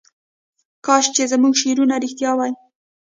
کاش چې زموږ شعرونه رښتیا وای.